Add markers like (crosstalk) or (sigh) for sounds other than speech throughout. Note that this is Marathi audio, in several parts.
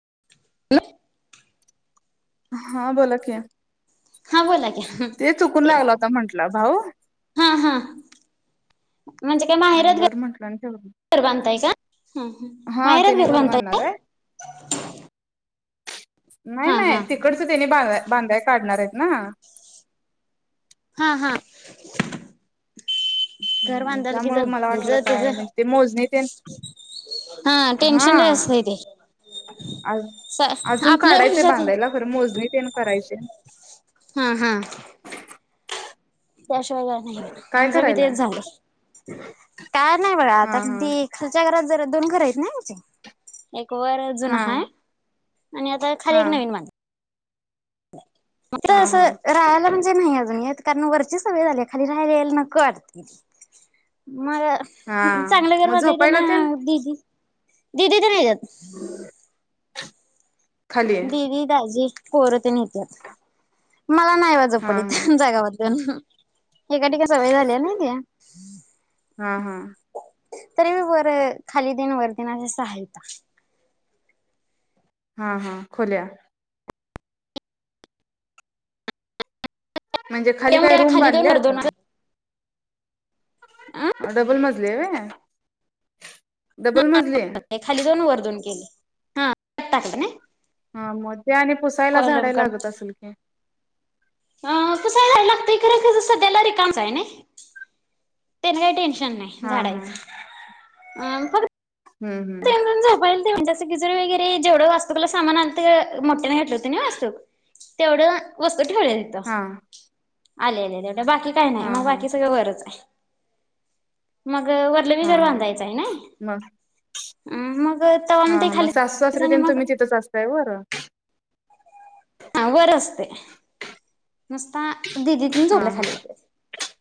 (inaudible) हा बोला की हा बोला की ते चुकून लागला होता म्हंटला भाऊ हा हाहा म्हणजे काय माहेरात घर बरं म्हंटलं आणि ठेवलं. घर बांधताय का? हा माहेरात त्याने घर बांधताय बांधणार काय? आहे नाय हा नाय हा तिकडचं तेन्ही बा बांध्याय काढणार आहेत ना. हा हा घर बांधाल की जर त्यामुळं मला हेज वाटलं काय त्याच ते मोजणी तेन हा टेन्शन लय असतय ते आज अजून काढायचं आपल्यापेक्षा ते बाधायला पण मोजणी तेन करायची हा हा हाय त्याशिवाय काय नाही बघा. काय आमचं बी ते करायलाय झालंय. काय नाही बगा हा आता हा ती खालच्या घरात जर एकदम करायत नाही वच्या वर अजून हा हाय. आणि आता खाली हा एक नवीन बांधल्या. (inaudible) मात्र हा हा असं राहायला म्हणजे नाही आजुन येत. कारण वरची सवय झाल्या खाली राहायला यायला नको वाटतयं मग हा चांगलं घर मग बांधलय तेन झोपायला दीदी दीदी तेन येत्यात (inaudible) खाली दीदी दाजी पोर तेन येत्यात मला नाही बा झोप हा ईत हा जागा बदलून. एका ठिकाणी सवय झाल्या ना ती हा हा तरीबी वर खाली तीन वर तीन अशा सहा हायता. हा हा खोल्या म्हणजे खाली त्यामुळे काय त्याला रूम खाली दोन वर बांध्यल्यात? दोन अ डबलमजली हाय व्हय डबलमजली आत टाकलं न हां म ते आणि पुसायला झाडाय लागत असेल की. हां पुसायला लागतंय खरं तिजं सध्याला रिकामंच आहे नाही तेना काय टेंश नाही हा हा झाडायचं अं कद हूं हूं झोपायला ते म्हणजे असं किचन वगैरे जेवढं वास्तुकला सामान आणतंय मोठ्यानं घेतलं होतं ना वास्तुक तेवढं वस् (unintelligible) हितं हा आलेले रं बाकी काय नाही हा म हा बाकी सगळं वरचय मग अं वरलं भी हा घर हा बांधायचं आहे नाही मग अम् मग तवांदी खाली सानी मग पोरं आवर असतंय. नुसता दीदी तेन हा झोपल्या खाली हा उतरायचं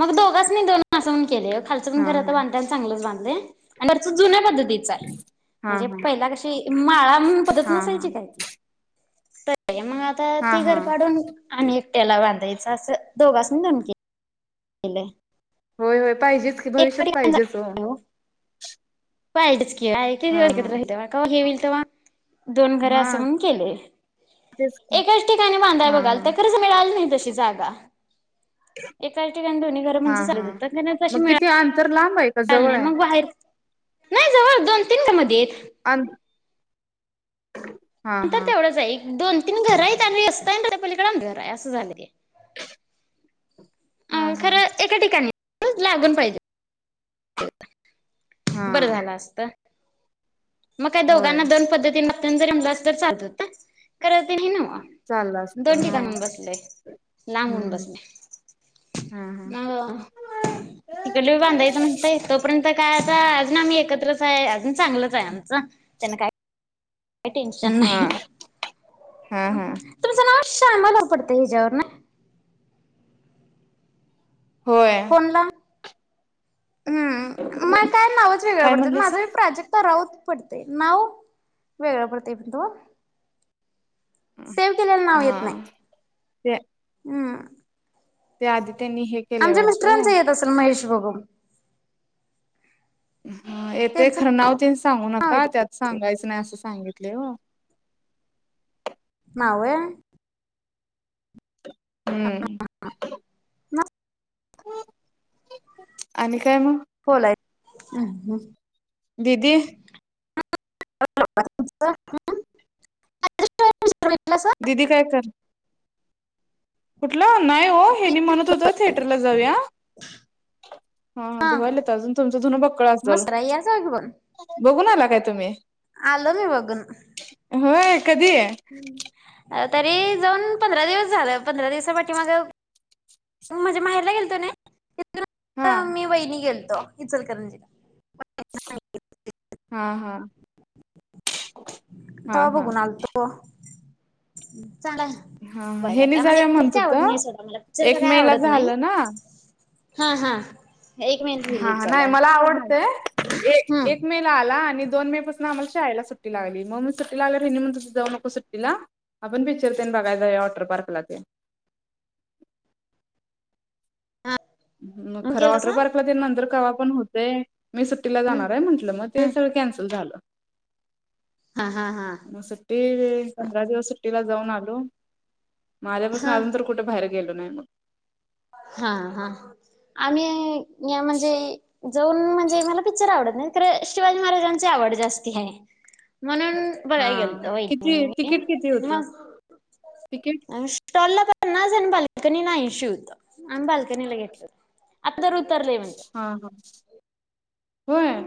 मग दोघास्नी दोन असं म्हणून केलंय ब खालचं हा घर आता बांधताना चांगलंच बांध (unintelligible) कलरचं जुन्या पद्धतीचं आहे हा म्हनजे हा पहिला कशी माळा म्हणून पद्धती हा हा नसायची काय ती त ये मग आत्ता हा ते हा घर काढून आणि एक राद्यायचं असं दोघास्नी नेमके लय होय होय पाहिजेच, की भविष्यात पाहिजे ओ. पाहिजेच की (unintelligible) तवा दोन घरं असं हा म्हणून केलंय तेच की एकच ठिकाणी बांधाय हा हा बघालतं खरच मिळालं नाही. तशी जागा एकाच ठिकाणी दोन्ही घरं म्हणजे गनं तशी मिळा तर लांब आहे का आल जवळ नाही आहे मंग हाईत नाही जवळ दोन तीन दा मधी आहेत आन् नंतर तेवडचं आहे इ दोन तीन घर हाईत आणि स्टँन्ड आहे पालिकडं. लांब घर आहे अस झाल ते (inaudible) हा अ हा खरं एका लागून पाहिजे (inaudible) बर हा झाल असत. मग काय दोघांना होय दोन पद्धतीन (unintelligible) चालत होत खर दिली नव्ह चाललं असत दोन हा ठिकाणी बसलय लांब होऊन हम्म बसलय हम्म अअ हा तिकडली पण बांदायच हा म्हणतोय तोपर्यंत त काय आता आजून आम्ही एकत्रच हाय अजून चांगलचय त्यान काय टेंशन हा नाही हा हा तुमच नाव शामा धरपडतयं हेच्यावरण होय फोन ला म काय नावच वेगळ काय म्हणलंस पडतय प्राजक्ता राऊत पडतय नाव वेगळ पडतय म्हणतो सेव्ह केलेले नाव येत हा नाय हूं त्याआधी आमच्या मिस्टरांच येत आसल महेश (inaudible) येतय त्यांचं खर नाव तेन सांगू नाव आहे नका त्यात सांगायच नाय अस सांगित लय ओ नाव वय. हम्म. आणि काय म कोलाय अ हं. दिदी (inaudible) दिदी काय कर कुठलं ओ नाही ओ हेन्ही म्हणत होत थेटरला जाऊया हा हा धुवालेत आजून तुम ते धुन बघ. सगळ असल मस्त यार जाऊ की बघ बघुन आला का? काय तुम्ही आलो मी बघुन होय कधी तरी जाऊन पंधरा दिवस झालं पंधरा दिवसा पाठिमाग मी माझ्या माहेरला गेलतो नई. हा तिथुनच मि वहिणी गेलो. हो इचलकरंजी (unintelligible) हा हा हा तवा हा बघुन आलतो. हम चांगला हाय हा बघाय हेनी सारखा म्हणजे जाऊया म्हणत पिचर आवडत होतं नाही सोडा मला पिचर एक बघायला मे ला आवडत नाही. झालं ना हा हं हाहा नाही हं मला आवडतय एक मेला आला आणि दोन मे पसन आम्हला शाळेला सुट्टी लागली, म्हणुन हेनि म्हंटल जाऊ नकोस सुट्टीला आपण पिचरतेन बघायला जाऊया वॉटरपार्कलातेन हम्म मग खरं गेलासा वॉटरपाकलातेन नंतर कवा पण होतय मी सुट्टीला हम्म जाणार हाय म्हंटल मग ते सगळ कॅनसल झालं. हा हा हा मग सुट्टी अ पंधरा दिवस सुट्टीला च जाऊन आलो. म आल्या पासन तर हा आजुन कुठं बाहेर गेलो नाही. म हा हा आम्ही (unintelligible) जाऊन म्हणजे मला पिचर आवडत नाहीत खरं पण शिवाजी महाराजांची आवड जास्ती हाय. म्हणुन बघायला हा गेलतो वहिनी आणि किती तिकीट किती मि होतं मग तिकीट आणि स्टॉला पण पन्नास आणि बालकनिला ऐंशी होत. आम्ही बालकानीला घेतलतो आता दर उत हा हा होय.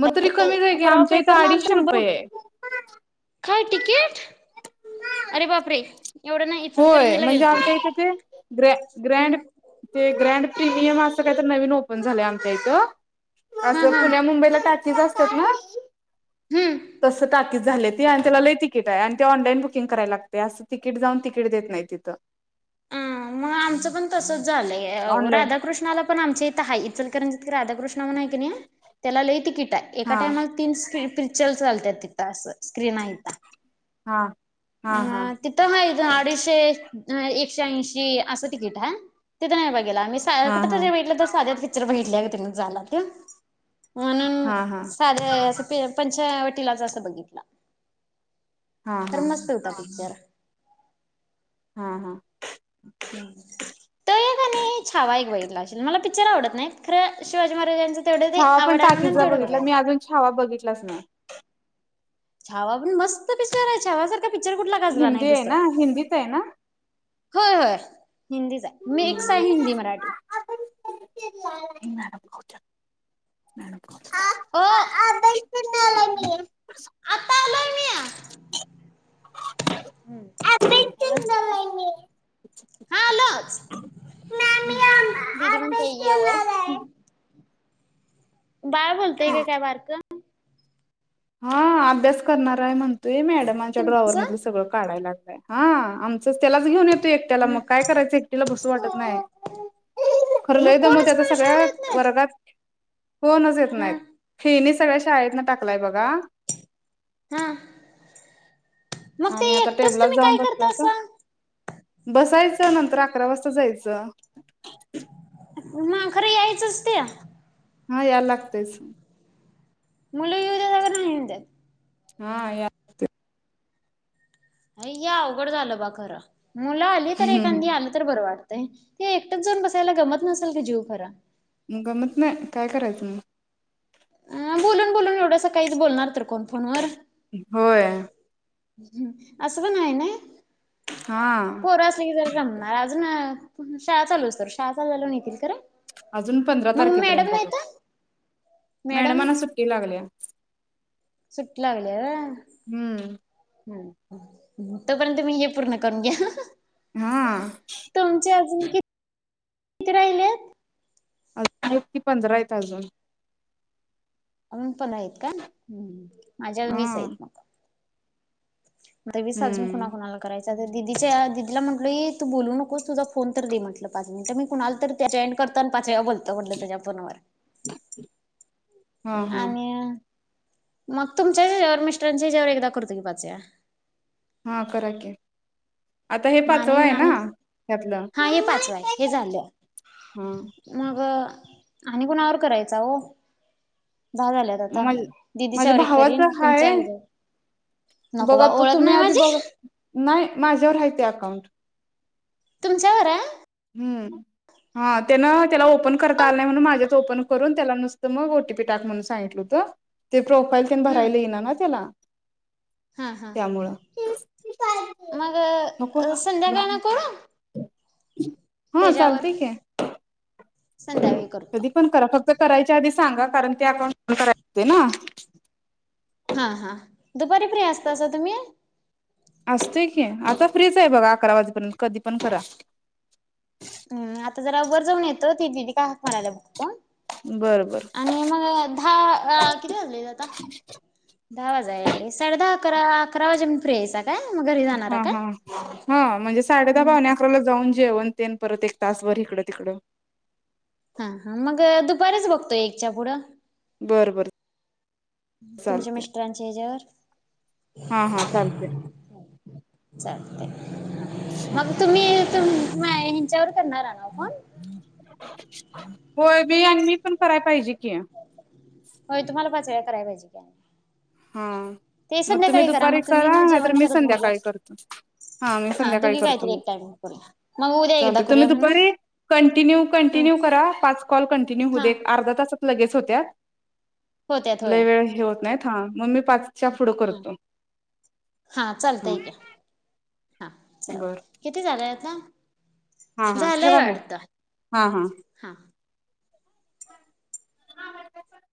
मग तरी कमीच आहे की परवा आमच्या इथं पेपरला आलत अडीचशे शंभर रुपये कोटी आहे. काय तिकिट, अरे बापरे एवढं नाही होय इचलकरंजीला म्हणजे गेलतो मी आमच्याहित ते ग्रॅ- ग्रॅड हम्म ते ग्रॅड प्रिमियम अस कायतर नविन ओपण झालय आमच्याहित हा असं हा पुण्या मुंबईला टाकी जास (unintelligible) हम्म तसं टाकी झालेत ते आन त्याला लय तिकीट हाय आणि ते ऑनलाईन बुकिंग कराय लागतंय असं तिकीट जाऊन ति किट देत नाहीत तिथं उम मग आमचं पण तसंच झालंय ऑनलाईन राधा कृष्णाला पण आमच्या इथं हाय इचल करंजित राधा कृष्ण म्हणून हाय किनी त्याला लय तिकीट (unintelligible) एका हा टायमाला तीन स्क्री (unintelligible) चल चालत्यात तिथं असं स्क्रीन हैत हा हा हा आ तिथं हाय दोन अडीचशे (unintelligible) एकशे ऐशी असं तिकीट हाय तिथं नाही बाई त्याला आम्ही साया हा हा कुटतरी बघितलं सद्यातली पिक्चर बघितला (unintelligible) तर म्हणून हा हा सादे ह्यास ते पंचावटीलाच असं बघितलं हा खरं हा मस्त होता पिक्चर हा हा तो एक आणि छावा एक बघितला अशील मला पिच्चर आवडतं नाही खरं शिवाजी महाराजांचा छावा पण टाकीजला बघितला मी अजून छावा बघितलंच नाय छावा पण मस्त पिक्चर आहे, छावा सार तो पिक्चर कुठला गाजला नाही हिंदी आहे दुसरा ना हिंदीच आहे ना होय-होय हिंदीचा आहे हम्म मिक्स आहे हिंदी मराठी ओ (unintelligible) आता आलोय (unintelligible) अभ्यास हॅलो करणार मी हा आलोच दीदी म्हणते अभ्यास ये वर करणार आहे. बाळ बोलतय का काय बारकं हा अभ्यास करणार आहे म्हण तो मॅडमनांचा ड्रॉइवर तुमचं मधलं सगळ काढाय लाग हा आम तसंच त्यालाच घेऊन येतो एकट्याला मग काय करायचं एकटीला बसू वाटत नाही, खरं लय मग दमवते कोणच आता मला शाळेला सगळ्या येत नाहीत वर्गात कोणाचं येत नाय हा हेनीच सगळ्या शाळेतनं टाकलाय बग. गा हां आणि आता टेबलांत जावून बसलातर करतासा बसाय त नंतर अकरा वाजता जायचं. मा खरं यायचंच ते हा या लागतंयच. मुल येवूदेत अगर नाही येवुदेत. हा या अ या अवघड झालं बा खरं. मुलं आली तर हम्म. एकांदी आलं तर बर वाड ते एकटंच जाऊन बसायला गमत नसल की जीव खर. गमत नई काय करायचं म अ बोलून बोलून एवढंस काही बोलणार तर कोण फोनवर. होय हम् असं पण हाय नई. हा पोर असलं की जर रमणार अजून शाळा चालूसतोर शाळा चालू झाल्यावर नेतील खरं. अजून पंधरा मग तारखेपर्यंत मॅडम बघा नाहीत मॅडम मॅडमाना सुट्टी लागल्या. (inaudible) सुट्टी लागलीया होय हम्म (unintelligible) तोपर्यंत मी हे पूर्ण करून घ्या हा तुमचे अजून किती राहिलेत? अजून आहेत कीपंधरा आहेत अजून. अजून पण आहेत काय? माझ्या अजून हा वीस आहेत म आता वीस अजून हम्म कुणा कोणाला करायच? दिदीच्या द दिदीला म्हटलं तू बोलू नकोस तुझ फोन तर दे म्हटलं पाच मिनिटं मी कुणाला तरी जॉईंट करतो आणि पाच वेळा बोलतं म्हटलं तुज्या फोनवर (unintelligible) हा आणि मग तुमच्या ह्याच्यावर मिस्टरांच्या ह्याच्यावर एकदा करतो की पाच वेळा. हा कराकी. माने आणि हा हे पाचवा आहे हे झालं हा मग आणि कुणावर करायचा ओ दहा झाल्यात मग आता माझ माझ्या दिदीच्यावर एक भावाच करीन हाय तुमच्या ह्याज्या वर एक नको बा बघा तो ओळख तुम्ही नाही आधी माझी बघा नाही माझ्यावर हाय ते अकाउंट तुमच्यावर हाय हूं हा त्यान त्याला ओपन करता आलं नाही म्हणून माझ्याच ओपन करून त्याला नुसतं मग ओ टी पी टाक म्हणून सांगितलं होतं. ते प्रोफाईल त्यानं भरायला हम्म येईना ना त्याला हा हा त्यामुळं मग नको संध्याकाळ ना करू (inaudible) हा चालतय की संध्यावेळी करतो. कधी पण करा फक्त करायच्या आधी सांगा कारण ते अकाउंट ओपण कराय लागते ना? हा हा दुपारी फ्री असतासा तुम्ही असतय की आता फ्रीच आहे बघा अकरा वाजेपर्यंत कधी पण करा हूं आता जरा वर जाऊन येतो ती दिदी काय हाक मारायली बघतो बरं बरं आणि मग दहा किती वाजलेत आता दहा वाजाय आले साडे दहा आ अकरा अकरा वाजेपर्यंत फ्री हाईसा हा हा हा म्हणजे साडे दहा पावणे अकरालाच जाऊन जेवण तेन परत एक तास भर हिकड तिकडं हा हा मग दुपारीच बघतोय एकच्या पुढं बरं बरं तुमच्या चालतंय मिस्टरांच्या हेच्यावर हा हा चालतंय चाल (inaudible) हा. मग तुम्ही तुम माह्या हेंच्यावर (inaudible) होय बी आणि मी पण कराय पाहिजे की, कराय पाहिजे त्यांनी हा म तुम्ही दुपारी तुम्ही करा मग नाहीत जेवण मी करत बोलूया संध्याकाळी करतो. हां मी हा संध्याकाळी दोघी करतो काहीतरी मग. एक टाइम करूया मग उद्या एकदा चालते तुम्ही करूया दुपारी म्हणा कंटिन्यू कंटिन्यू करा पाच कॉल कंटिन्यू हो हा देत अर्धा तास लगेच होत्यात होत्यात लई वेळ हे होत नाहीत हा म मी पाच ह हा चालतय की हा बरं. चालतय किती झालं आता हा हा झालंय ठेवा म वाटतं हा हा हां (inaudible)